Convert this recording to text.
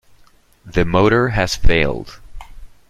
The motor has failed.